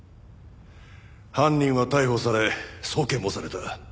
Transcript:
犯人は逮捕され送検もされた。